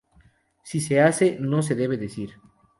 Si se hacen, no se deben decir.